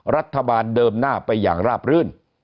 รัฐบาลเดิมหน้าไปอย่างราบรื่น